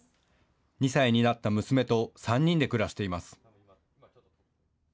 ２歳になった娘と３人で暮らしています。